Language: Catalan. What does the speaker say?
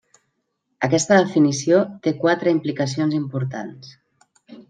Aquesta definició té quatre implicacions importants.